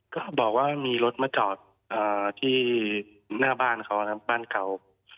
ก็บอกว่ามีรถมาจอดที่หน้าบ้านเขานะครับบ้านเก่า